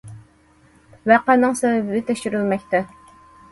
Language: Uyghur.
ۋەقەنىڭ سەۋەبى تەكشۈرۈلمەكتە.